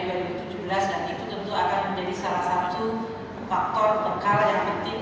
dan itu tentu akan menjadi salah satu faktor bekal yang penting